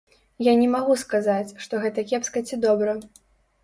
Я не магу сказаць, што гэта кепска ці добра.